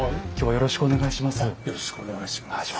よろしくお願いします。